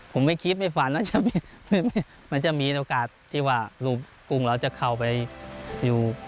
ผมไม่คิดไม่ฝันนะมันจะมีโอกาสที่ว่าลูกกุ้งเราจะเข้าไปอยู่